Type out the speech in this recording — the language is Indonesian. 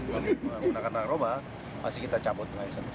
menggunakan narkoba pasti kita cabut